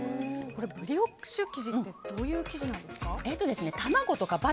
ブリオッシュ生地ってどういう生地なんですか。